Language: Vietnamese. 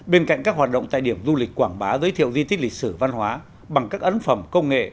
bên cạnh các hoạt động tại điểm du lịch quảng bá giới thiệu di tích lịch sử văn hóa bằng các ấn phẩm công nghệ